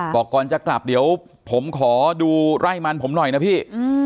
บอกก่อนจะกลับเดี๋ยวผมขอดูไร่มันผมหน่อยนะพี่